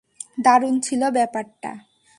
দারুণ ছিল ব্যাপারটা।